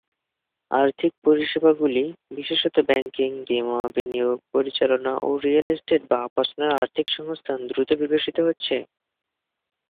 আর্থিক পরিষেবাগুলি, বিশেষত ব্যাংকিং, বীমা, বিনিয়োগ পরিচালনা ও রিয়েল এস্টেট বা আবাসনের আর্থিক সংস্থান দ্রুত বিকশিত হচ্ছে।